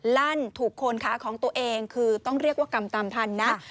ลั่นถูกโคนขาของตัวเองคือต้องเรียกว่ากรรมตามทันนะ